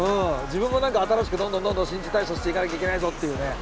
自分も何か新しくどんどんどんどん新陳代謝していかなきゃいけないぞっていうね。